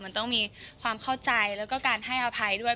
มันต้องมีความเข้าใจแล้วก็การให้อภัยด้วย